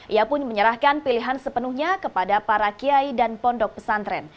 ia pun menyerahkan pilihan sepenuhnya kepada para kiai dan pondok pesantren